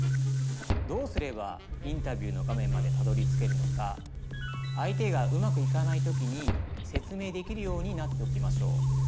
どうすればインタビューの画面までたどりつけるのか相手がうまくいかない時に説明できるようになっておきましょう。